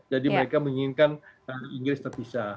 jadi mereka menginginkan inggris terpisah